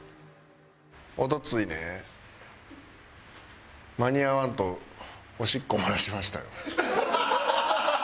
一昨日ね間に合わんとおしっこ漏らしましたよ。